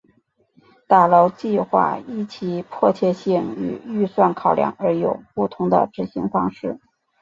打捞计画依其迫切性与预算考量而有不同的执行方式。